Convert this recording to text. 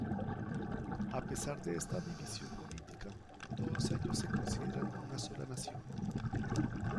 A pesar de esta división política, todos ellos se consideran una sola nación.